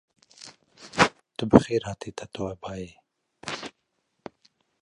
Tu bi xêr hatî Tatoebayê!